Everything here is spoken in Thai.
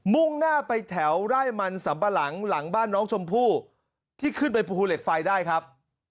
่งหน้าไปแถวไร่มันสัมปะหลังหลังบ้านน้องชมพู่ที่ขึ้นไปภูเหล็กไฟได้ครับ